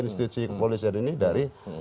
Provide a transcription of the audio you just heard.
institusi kepolisian ini dari